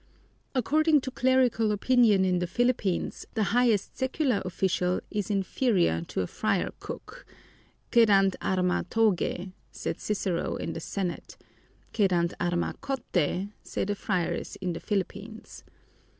According to clerical opinion in the Philippines, the highest secular official is inferior to a friar cook: cedant arma togae, said Cicero in the Senate cedant arma cottae, say the friars in the Philippines.